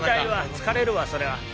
疲れるわそれは。